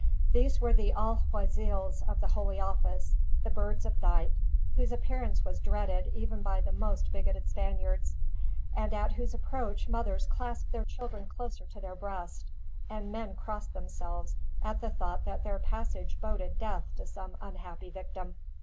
These were the alguazils of the holy office, the birds of night, whose appearance was dreaded even by the most bigoted Spaniards; and at whose approach mothers clasped their children closer to their breast, and men crossed themselves, at the thought that their passage boded death to some unhappy victim.